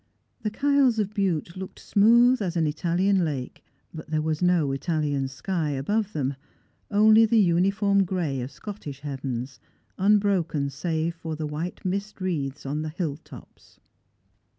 The Kyles of Bute looked smooth as an Italian lake, but there was no Italian sky above them, only the uniform gray of Scottish heavens, unbroken save by the white mist wreaths on the hill tops.